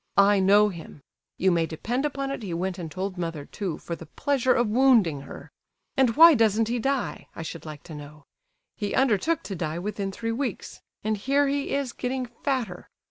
I know him; you may depend upon it he went and told mother too, for the pleasure of wounding her. And why doesn't he die, I should like to know? He undertook to die within three weeks, and here he is getting fatter.